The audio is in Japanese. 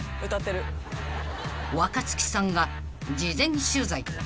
［若槻さんが事前取材］